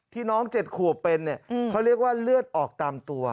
ที่น้องเจ็ดขวบเป็นเขาเรียกว่าเลือดออกตามตัว